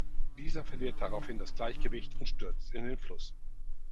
Dieser verliert daraufhin das Gleichgewicht und stürzt in den Fluss.